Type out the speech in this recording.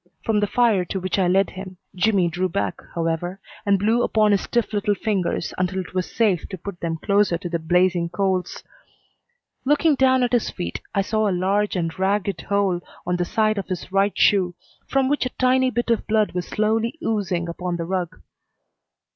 From the fire to which I led him, Jimmy drew back, however, and blew upon his stiff little fingers until it was safe to put them closer to the blazing coals. Looking down at his feet, I saw a large and ragged hole on the side of his right shoe from which a tiny bit of blood was slowly oozing upon the rug.